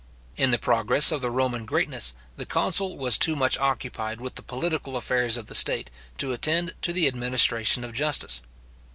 In the progress of the Roman greatness, the consul was too much occupied with the political affairs of the state, to attend to the administration of justice.